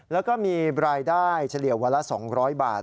แล้วก็มีรายได้เฉลี่ยวันละ๒๐๐บาท